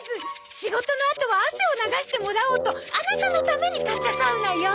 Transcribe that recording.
仕事のあとは汗を流してもらおうとアナタのために買ったサウナよ。